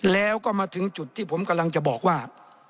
แล้วก็มาถึงจุดที่ผมกำลังจะบอกว่า